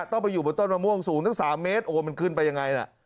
ต้องไปอยู่บนต้นมะม่วงสูงตั้ง๓เมตรโอ้โหมันขึ้นไปยังไงน่ะ